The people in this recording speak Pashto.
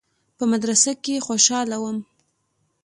په مدرسه کښې خوشاله وم.